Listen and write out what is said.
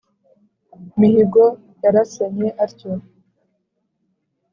mihigo yarasanye atyo